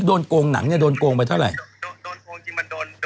โดนโกงจริงโดนเรื่องไปถ่ายกับเงินประมาณ